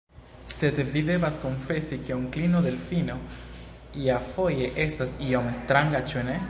Sed vi devas konfesi, ke onklino Delfino iafoje estas iom stranga; ĉu ne?